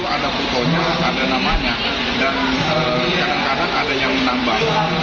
ada fotonya ada namanya dan kadang kadang ada yang menambah